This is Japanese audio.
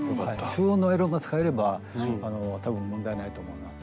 中温のアイロンが使えれば多分問題ないと思います。